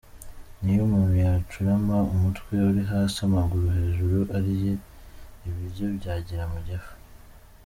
Niyo umuntu yacurama umutwe uri hasi amaguru hejuru ,ariye ibiryo byagera mu gifu.